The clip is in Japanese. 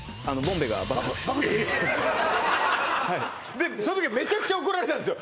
でそのときはめちゃくちゃ怒られたんですよ